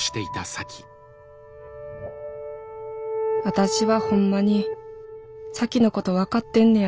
私はほんまに咲妃のこと分かってんね